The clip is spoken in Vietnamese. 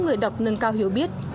người đọc nâng cao hiểu biết